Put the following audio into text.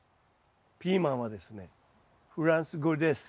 ピーマンはですねフランス語です。